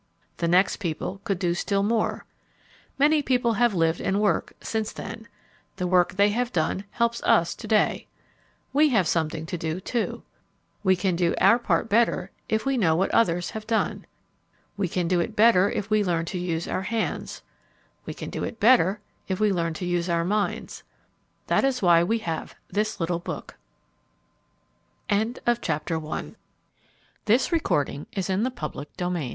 The next people could do still more. Many people have lived and worked since then. The work they have done helps us to day. We have something to do, too. We can do our part better if we know what others have done. We can do it better if we learn to use our hands. We can do it better if we learn to use our minds. That is why we have this little book. II. THINGS TO THINK ABOUT What do you need in order to live?